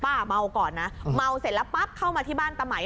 เมาก่อนนะเมาเสร็จแล้วปั๊บเข้ามาที่บ้านตะไหม